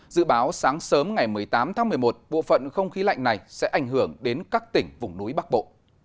dự báo sáng sớm ngày một mươi tám tháng một mươi một bộ phận không khí lạnh này sẽ ảnh hưởng đến các tỉnh vùng núi bắc bộ